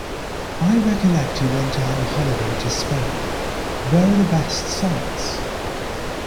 I recollect you went on holiday to Spain, where are the best sights?